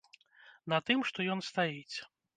На тым, што ён стаіць.